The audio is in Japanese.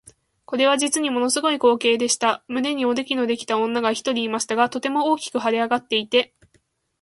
これは実にもの凄い光景でした。胸におできのできた女が一人いましたが、とても大きく脹れ上っていて、